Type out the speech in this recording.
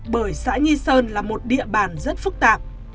bởi xã nhi sơn là một địa bàn rất phức tạp